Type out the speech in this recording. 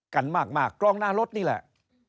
กันมากกล้องหน้ารถนี่แหละ